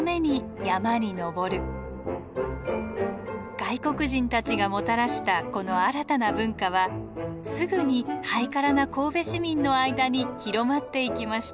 外国人たちがもたらしたこの新たな文化はすぐにハイカラな神戸市民の間に広まっていきました。